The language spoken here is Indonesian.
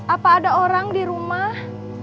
apa ada orang di rumah